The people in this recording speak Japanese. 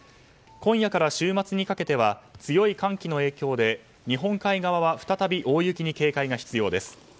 今夜から週末にかけては強い寒気の影響で、日本海側は再び大雪に警戒が必要です。